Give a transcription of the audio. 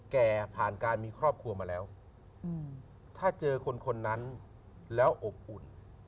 ผ่านการมีครอบครัวมาแล้วถ้าเจอคนคนนั้นแล้วอบอุ่น